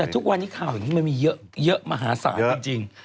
แต่ทุกวันนี้ข่าวอย่างนี้มันมีเยอะมหาศาลจริง